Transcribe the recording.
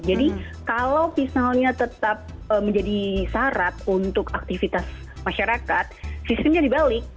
jadi kalau misalnya tetap menjadi syarat untuk aktivitas masyarakat sistemnya dibalik